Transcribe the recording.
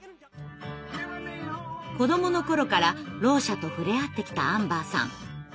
子どもの頃からろう者と触れ合ってきたアンバーさん。